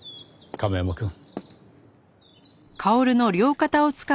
亀山くん。